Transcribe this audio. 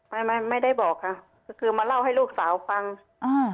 ไม่ไม่ไม่ได้บอกค่ะก็คือมาเล่าให้ลูกสาวฟังอ่า